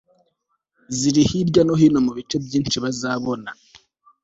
ziri hirya no hino mu bice byinshi bazabona